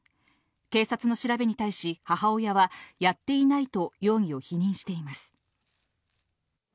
警察の調べに対し母親はやっていないと容疑を否認しています。